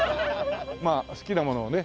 まあ好きなものをね